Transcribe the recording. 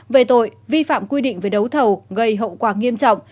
về tội vi phạm quy định về đấu thầu gây hậu quả nghiêm trọng